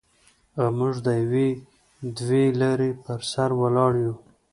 او موږ د یوې دوې لارې پر سر ولاړ یو.